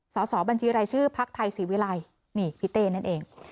สสบัญชีรายชื่อพรรคไทยศิวิรัยพี่เต้นั่นเอง